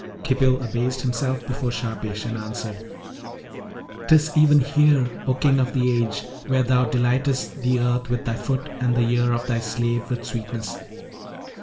Khipil abased himself before Shahpesh, and answered, ''Tis even here, O King of the age, where thou delightest the earth with thy foot and the ear of thy slave with sweetness.